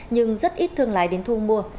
nhưng rất ít thương lái đến thu mua